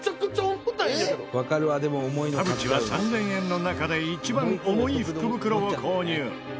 田渕は３０００円の中で一番重い福袋を購入。